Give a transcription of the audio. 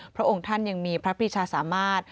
พระองค์ท่านยังมีพระพิชาสามารถ